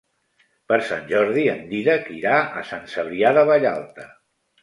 Per Sant Jordi en Dídac irà a Sant Cebrià de Vallalta.